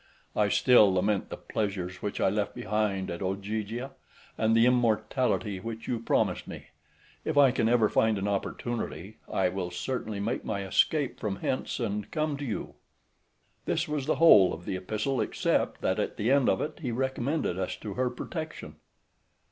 I still lament the pleasures which I left behind at Ogygia, and the immortality which you promised me; if I can ever find an opportunity, I will certainly make my escape from hence, and come to you." This was the whole of the epistle except, that at the end of it he recommended us to her protection.